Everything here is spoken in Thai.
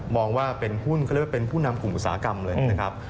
มองว่าเป็นหุ้นเป็นหุ้นนำกลุ่มอุตสาหกรรมเลยนะครับ